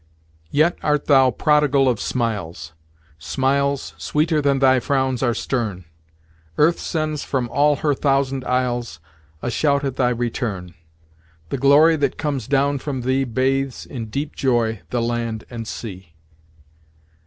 "Yet art thou prodigal of smiles Smiles, sweeter than thy frowns are stern: Earth sends from all her thousand isles, A shout at thy return. The glory that comes down from thee Bathes, in deep joy, the land and sea."